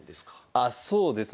あそうですね。